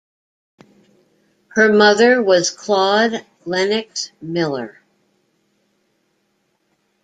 Her mother was Claude Lennox Miller.